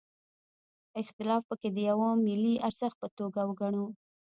اختلاف پکې د یوه ملي ارزښت په توګه وګڼو.